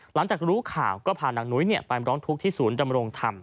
หลังจากรู้ข่าวก็พานางนุ้ยไปร้องทุกข์ที่ศูนย์ดำรงธรรม